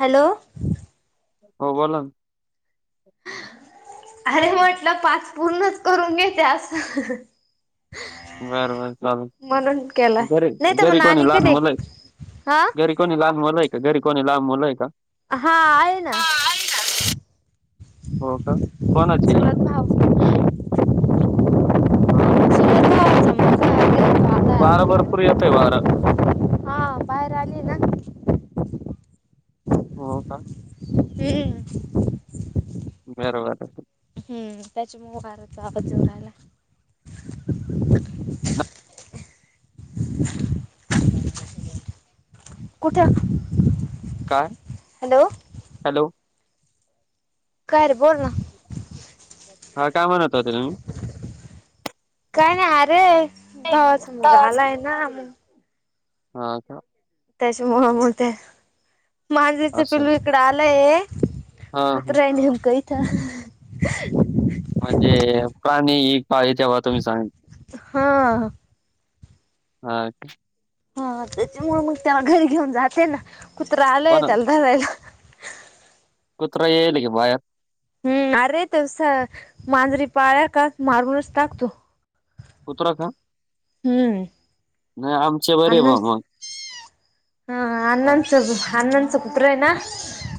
Hello हो बोला ना अरे म्हटलं पाच पूर्णच करून घेते अस बरं बरं चालेल. म्हणून केला घरी नाही तर मग घरी कोणी आणि का लहान नाही मुलं आहे? हा घरी कोणी लांब मुलंय का घरी कोणी लांब मुलंय का हा आहे ना हो का कोणची चुलत भाव हा चुलत भावाचा मुलगा देवाचा आलाय वारा आता इकडे भरपूर येतय वार हा बाहेर आली ना हो का हम्म बरोबर हम त्याचमुळे वाऱ्याचा आवाज येऊ राहिला न कठे काय हॅलो काय रे बोल ना हा काय म्हणत होते तुम्ही काणी अरे भावाचा मुलगा आला आहे ना हा का त्याच्यामुळे मांजरीचं असं. पिलू इकड आलंय हां, हां. [unintelligible] म्हणजे प्राणी एक का आहे तेव्हा तुम्ही सांगल. हा हाे हा त्याच्यामु मग तेव्हा घरी घेऊन जाते. ना कुत्रा आलाय कोणा त्याला धरायला कुत्र येल की बाहेर हम् अरे तसा मांजरी पाळ्या का मारूनच टाकतो. कुत्रा का हम्म. आमचे बरे अण्णांच भाम हा अण्णांचं अण्णांचं कुत्र आहे ना?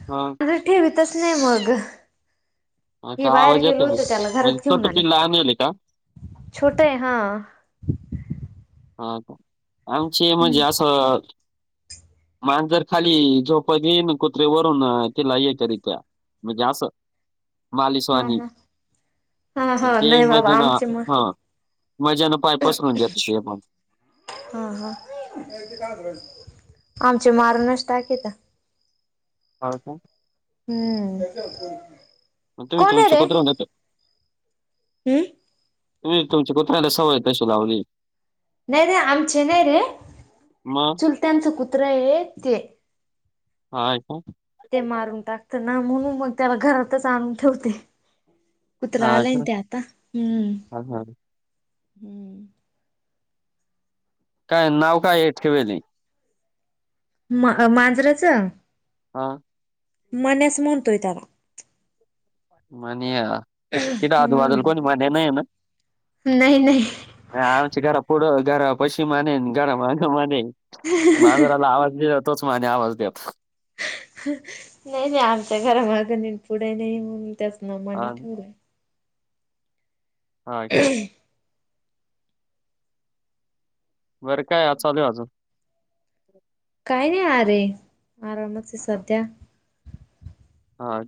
हो. रठठी बी तस नाही मग. हां हे का? बाहेर आवाज गेलो येतोय का? होत त्याला म्हणजे घरात घेऊन छोटं आले पिल्लं आणेल आहे का? छोटय हा. हा आमचे हम्म म्हणजे असं मान जर खाली झोपत घईन कुत्रे वरून तिला येत करित्या म्हणजे असं हा मालिशवाणी हा हा आणि हा ते नाही बाबा मज ना आमचे म हा. मजानं पाय पसरून द्याेत श पण हा हा आमचे मारूनच टाकेत. ह हो हम्म मण तु मी कोण तुमच कुत्रता हम् तुम्ही तुमच्या कुत्र्याला सवय तशी लावली. नाही रे! आमचे नाही रे! मग चुलत्यांचं कुत्रा आहे ते. हा का? ते मारून टाकत ना म्हणून मग त्याला घरातच आणून ठेवते. कुत्र हा आलाय का ते आता हम्म हा हा हम्म काय नाव काय आहे ठेवेली? म मांजराच हा मन्या च म्हणतोय त्याला. म्हणया तिथे हम्म आजूबाजूला कोणी म्हन्या नाही ना? नाही नाही. आमच्या घरा पुढं घरा पशी मानेन घरा मागा मानेन. मा मांजराला आवाज दिला तोच मन्या आवाज द्यायचा. नाही नाही आमच्या घरामागणी पुढे नाही म्हणून मी हा मन्या ठेवलाय. हा बरं काय आज चालू अजून? काय नाही अरे! आरामच आहे सध्या. हा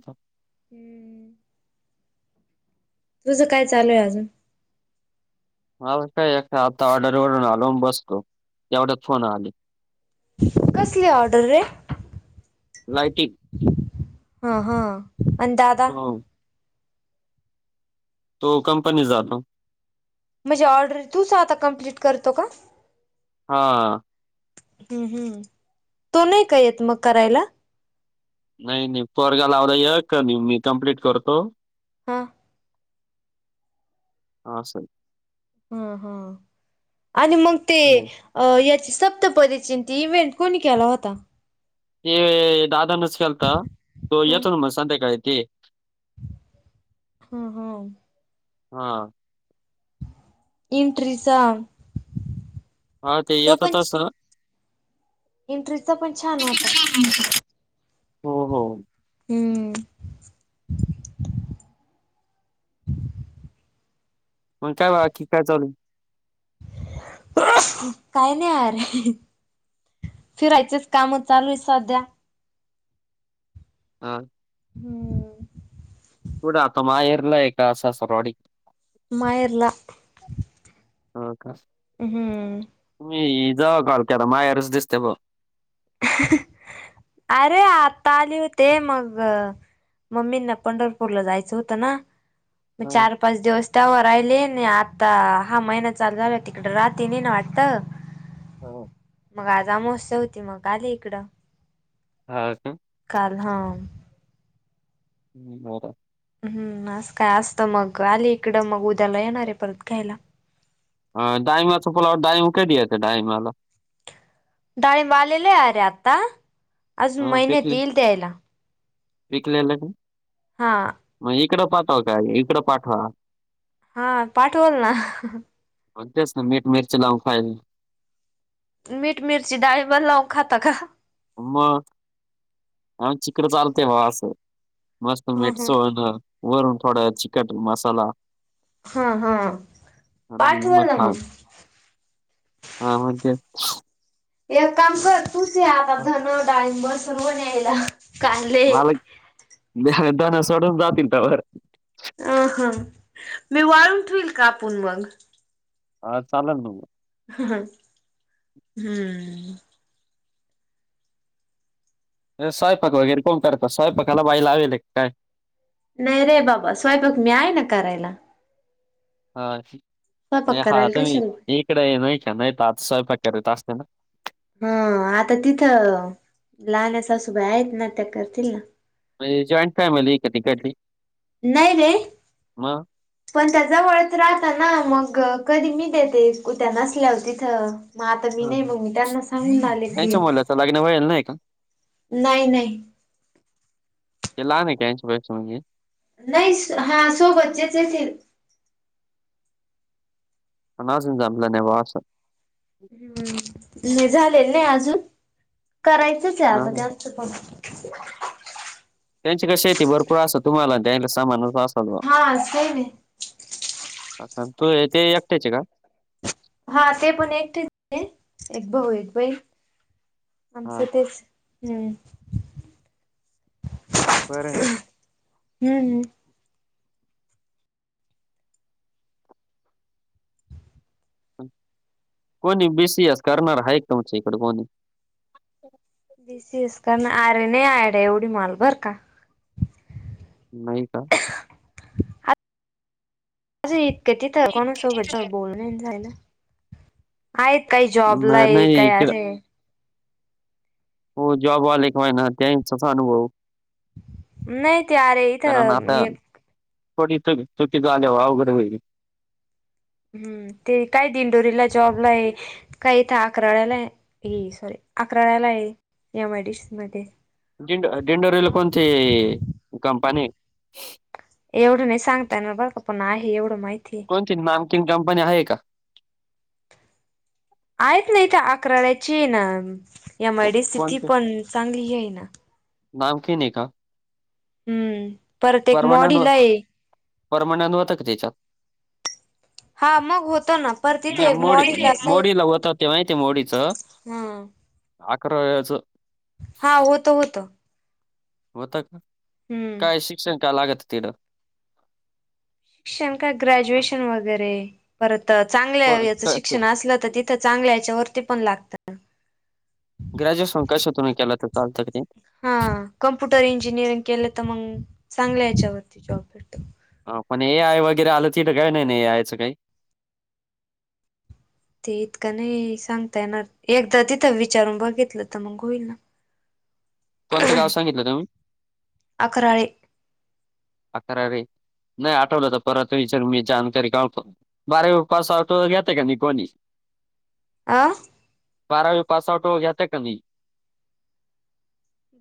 हम्म तुझं काय चालूय अजून? ह काय ए आता ऑर्डर वरून आलो बसलो तेवढ्यात फोन आल. कसली ऑर्डर रे? लाइटिंग हा हा आणि दादा हो तो कंपनीत जातो. म्हणजे ऑर्डर तूच आता कम्प्लीट करतो का? हा. हम् हम् तो नाही काय येत मग करायला नाही नाही पोरग्या लावला एक आणि मी कम्प्लीट करतो. हो हा सर हा हा आणि मग ते हो. अ याची सप्तपदीची त इव्हेंट कोणी केला होता? ते दादानच केलता तो ह येतो ना संध्याकाळी ते. हा हा हा इंट्रसां हा ते येत तस एंट्रीचा पण छान होता [inaudible] हो हो. हम्म मग काय बाकी काय चालु आय [unintelligible] काय नाही आर फिरायचच काम चालू आहे सध्या हां हम्म कुठ आता माहेरला हा का सासुर वाडीत माहेरला हो का हम मी जवा [unintelligible] मायारच दिसतं बुआ अरे आत्ता आली होते मग मम्मीना पंढरपूरला जायचं होतं ना मग हा चार पाच दिवस तवा राहिले नाही आता हा महिना चालू झाला तिकड राहते नाही ना वाटत हो मग आज अमवस्या होती मग आली इकडं हा का काल हा [unintelligible] हम्म आज काय असत मग आली इकडं मग उद्याला येणाराय परत घ्यायला आ डाईमा चा फुला व डाईम कधी येतय डाईमाला डाळींब आलेले अरे आत्ता अजून अ महिन्यात पिकले येईल द्यायला पिकलेलं काय हा मग इकडं पाठवा काय इकडं पाठवा हा पाठवल ना म त्यासनी मीठ मिरची लावून खाईल मीठ मिरची डाळींबाला लावून खाता का मग आमच्या इकडं चालते बा असं मस्त मिठ हा. सोळून वरून थोडा चिकट मसाला हा हा आणि पाठल ना मग हा म्ह ते एक काम कर तूच य आता धन डाळींबर सर्व न्यायला कांदे मालक दण सोडून जातील त्यावर अ ह मी वाळून ठेईल कापुण मग हा चालल ना मग ह हम्म स्वयंपाक वगैरे कोण करता स्वयंपाकाला बाई लावेली की काय नाही रे बाबा स्वयंपाक मी आहे ना करायला हा स्वयंपाक नाही हा करायला आता मी कशाला इकडे नाही का नाही तर आता स्वयंपाक करत असते ना हा आता तिथं लहान अ सासूबाई आहेत ना त्या करतील ना म्हणजे जॉईंट फॅमिली क तिकळची. नई रे पण त्या जवळच राहत ना मग कधी मी देते कुत्या नसल्यावर तिथं मग आता मी हां हां. नाही मग मी त्यांना सांगून आले की त्यांच्या मुलाचं लग्न व्हायल नाही का? नाही नाही. ते लहान ये का त्यांच्यापेक्षा म्हणजे. नाही हा सोबतचेच येतील. अजून जमलं नाही बॉ असं. हम्म नाही झालेल नाही अजून करायचंच आहे हा आता जास्त पण त्यांची का शेती भरपूर असतं तुम्हाला त्यांला सामान अस असाल बॉ. हा सेम हे. तू ते एकट्याचे का? हा ते पण एकटेच एक भाऊ एक बहीन हा आमचं तेच हम्म. मग बरं आहे ना. हम्म हम्म. कोणी बी सी एस करणार आहे का तमच्या इकड कोणी. बसीस करण आरे नाही आयड एवढी माल बर का. नाही का. माझं इतकं तिथे कोणासोबत बोलणं नाही ना. आहेत काही जॉबला न आहे नाही काय इकडं अशे हो जॉबवाला एक महिना त्यांचाच अनुभव. नाही ते आरे. कारण आता थोडी च चुकीच आल्यावर अवघड होईल. हम्म ते काय दिंडोरीला जॉबला आहे. काय इथ अकराड्याला आहे सॉरी अकराड्याला आहे एम आय डी सी मध्ये. डीड डीडोरीला कोणती कंपनी ये. एवढं नाही सांगतायणार बघ का पण आहे एवढं माहिती ये कोणती नामचिंग कंपनी आहे का? आहेत नाही त्या अकराड्याची ये ना. को- यामध्ये स्थिती कोणती पण चांगली आहे ना. नामकीन आहे का? हम्म. परत एक परमनंट बघ मॉडीला आहे. पर्मनंट होतं का त्याच्यात. [unintelligible] हा मग होत ना पर तिथे नाही एक मॉडील मोडी अस आहे मोडीला होतं ते हा. अकराळ्याचं. हा होत होतं. होता का हम्म काय शिक्षण काय लागत तिथ. शिक्षण का ग्रॅज्युएशन वगैरे परत चांगल्या को- याच क- शिक्षण असलं तर ति चांगल्या याच्यावरती पण लागतात. ग्रॅज्युएशन कशातुन ही केलं तरी चालतंय. हा कम्प्युटर इंजिनिअरिंग केलं तर मग चांगलं याच्यावरती जॉब भेटतो. पण ए आय वगैरे आलं तिथं काही नाही नाही ए आयचं काही? ते इतकं नाही सांगता येणार एकदा तिथं विचारून बघितलं तर मग होईल ना. [inaudible] कोणत गाव सांगितलं का तुम्ही? अकराळे अक्रारी नाही आठवलं तर परत विचार मी जाणकारी बारावी पास आऊट वर घेत का नाही कोणी. आं बारावी पासआउट घेते का म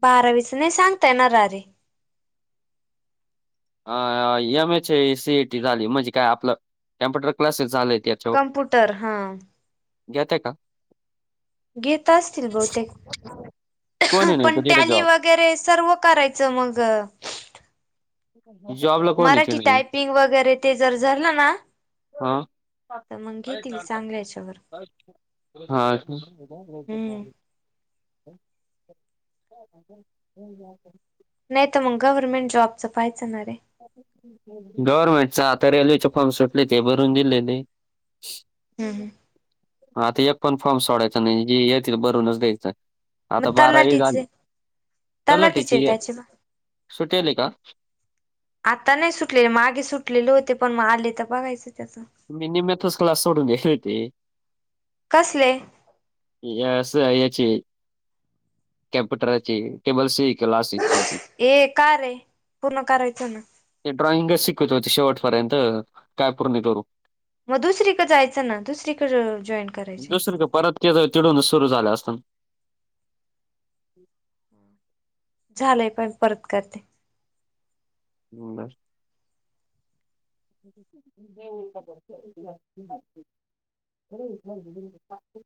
बारावीच नाही सांगता येनार आरे. अ M A C A T झाली म्हणजे काय आपलं कम्प्युटर क्लासेस झाले ते कम्प्यूटर हा घेते का? घेेत असतील बहुतेक कोणी नाही पण तिथे जॉब टॅली वगैरे सर्व करायचं मग जॉबला कोण येते मराठी नाही टायपिंग वगैरे ते जर झालं ना हा. तर मग घेतील चांगल्या याच्यावर हा. हम्म [inaudible] नाही तर मग गव्हर्नमेंट जॉबचं पाहायचंणा रे गव्हर्नमेंटचा आता रेल्वेचे फॉर्म सुटले ते भरून दिले नाही. हम्म ह आता एक पण फॉर्म सोडायचा नाही. जे येतील भरूनच द्यायचं आता मग बारावी झाली. तलाटीचे तलाठीची तलाटीचे एक त्याचे सुटेली का? आता नाही सुटलेले मागे सुटलेले होते पण मग आले तर बघायचं त्याचं मी निम्म्यातच क्लास सोडून [unintelligible] कसले? या अस याची कम्प्युटरची [unintelligible] शिक होती. ए का रे पूर्ण करायचं ना ते ड्रॉइंगच शिकवीत होते शेवटपर्यंत काय पूर्ण करू मग दुसरीकडें जायचं ना दुसरीकडे जॉईन करायचे दुसर का परत ते चिडून सुरू झाले असत. झालंय पण परत करते. हम्म बर [unintelligible] हो.